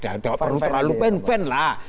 nggak perlu terlalu pen pen lah